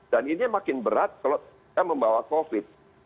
dan ini makin berat kalau kita membawa covid